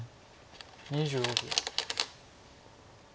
２５秒。